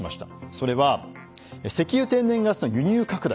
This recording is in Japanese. それは石油天然ガスの輸入拡大